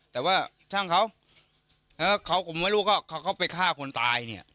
แต่ว่าช่างเขาเขาคงไม่รู้ว่าเขาไปฆ่าคนตายเนี่ย